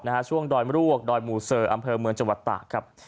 ช่วงดอยมรวกดอยหมู่เซอร์อำเภอเมืองจังหวัดตากครับ